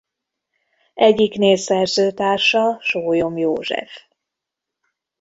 Egyiknél szerzőtársa Sólyom József.